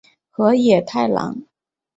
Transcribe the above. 河野太郎。